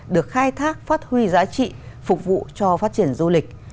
được khai thác phát huy giá trị phục vụ cho phát triển du lịch